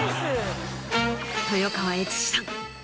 豊川悦司さん。